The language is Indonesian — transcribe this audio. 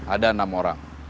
ada enam orang